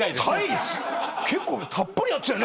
結構たっぷりやってたよね。